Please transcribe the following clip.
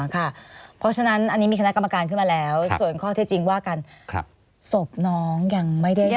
อ๋ออ๋ออ๋อค่ะเพราะฉะนั้นอันนี้มีคณะกรรมการขึ้นมาแล้วส่วนข้อที่จริงว่าการสบน้องยังไม่ได้ทำอะไร